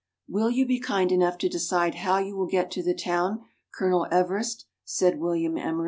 " Will you be kind enough to decide how you will get to the town, Colonel Everest?" said William Emery.